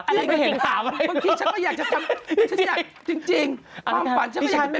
ที่คนนี้ก็เห็นข่าวไป